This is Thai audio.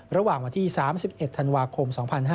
ระหว่างวันที่๓๑ธันวาคม๒๕๕๙